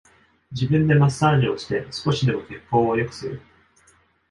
自分でマッサージをして少しでも血行を良くする